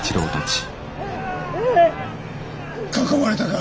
囲まれたか。